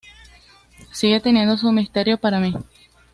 Sigue teniendo su misterio para mí.